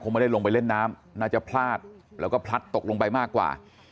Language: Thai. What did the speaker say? ไม่ได้ลงไปเล่นน้ำน่าจะพลาดแล้วก็พลัดตกลงไปมากกว่า